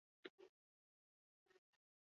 Ordura arte egunkariaren editorea zen.